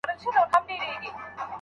هغوی په خپلو کارونو کي لېوالتیا نه لري.